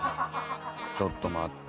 ちょっと待って。